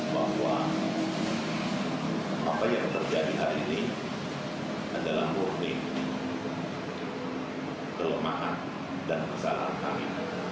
bahwa apa yang terjadi hari ini adalah murni kelemahan dan kesalahan kami